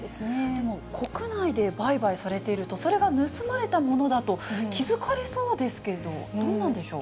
でも国内で売買されていると、それが盗まれたものだと気付かれそうですけど、どうなんでしょう？